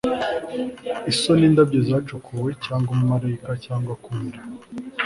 Isoni indabyo zacukuwe cyangwa umumarayika cyangwa kumira